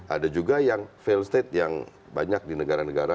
ada juga yang fail state yang banyak di negara negara